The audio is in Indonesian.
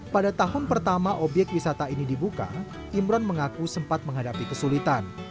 pada tahun pertama obyek wisata ini dibuka imron mengaku sempat menghadapi kesulitan